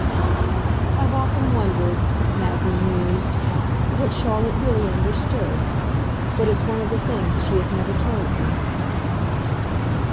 "I've often wondered," Maggie mused, "what Charlotte really understood. But it's one of the things she has never told me."